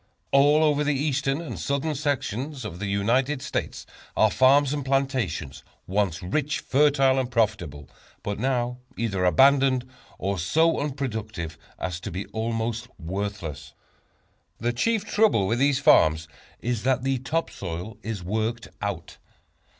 All over the Eastern and Southern sections of the United States are farms and plantations, once rich, fertile and profitable, but now either abandoned, or so unproductive as to be almost worthless. The chief trouble with these farms is that the top soil is worked out.